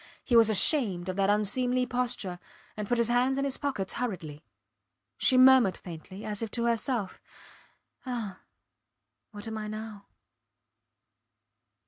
He was ashamed of that unseemly posture, and put his hands in his pockets hurriedly. She murmured faintly, as if to herself Ah! What am I now?